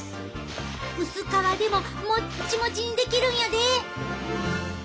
薄皮でももっちもちにできるんやで！